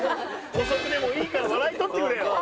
姑息でもいいから笑い取ってくれよ。